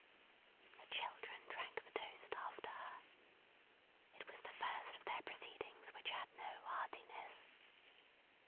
The children drank the toast after her. It was the first of their proceedings which had no heartiness.